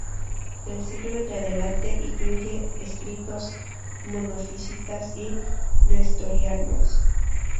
Del siglo en adelante, incluye escritos monofisitas y nestorianos.